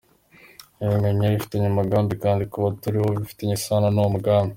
Yabiremye abifitiye umugambi kandi kuba turiho bifitanye isano n’uwo mugambi.